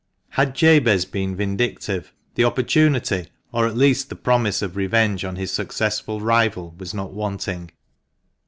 D Jabez been vindictive, the opportunity, or at least the promise of revenge on his successful rival was not wanting.